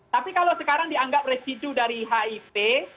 tapi kalau sekarang dianggap residu dari hip